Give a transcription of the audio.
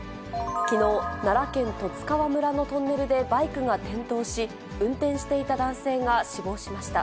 きのう、奈良県十津川村のトンネルでバイクが転倒し、運転していた男性が死亡しました。